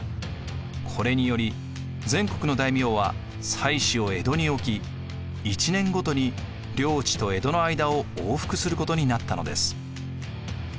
これにより全国の大名は妻子を江戸に置き１年ごとに領地と江戸の間を往復することになったのです。